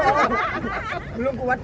suaminya satu kok ibunya dua